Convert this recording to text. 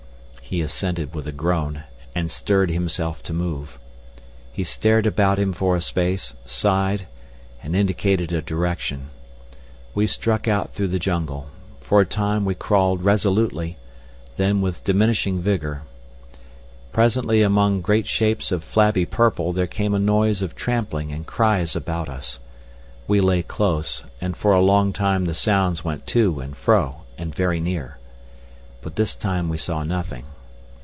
He assented with a groan and stirred himself to move. He stared about him for a space, sighed, and indicated a direction. We struck out through the jungle. For a time we crawled resolutely, then with diminishing vigour. Presently among great shapes of flabby purple there came a noise of trampling and cries about us. We lay close, and for a long time the sounds went to and fro and very near. But this time we saw nothing.